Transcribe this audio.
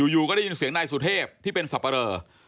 อยู่ก็ได้ยินเสียงนายสุเทพที่เป็นสับปะเรอ